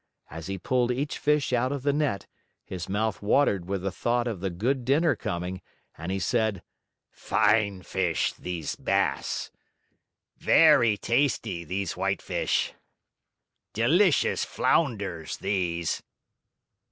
As he pulled each fish out of the net, his mouth watered with the thought of the good dinner coming, and he said: "Fine fish, these bass!" "Very tasty, these whitefish!" "Delicious flounders, these!"